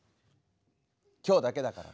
今日だけだから。